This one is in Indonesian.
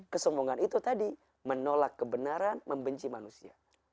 kesombongan itu tadi menolak kebenaran membenci manusia